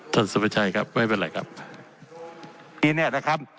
ท่านสบายใจครับไม่เป็นไรครับ